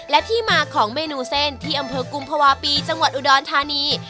และที่มาของเมนูเส้นที่อำเภอกุมภาวะปีจังหวัดอุดรธานี